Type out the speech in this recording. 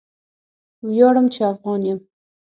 ویاړم چې افغان یم.